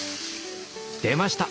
出ました！